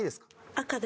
赤で。